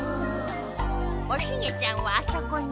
おシゲちゃんはあそこに。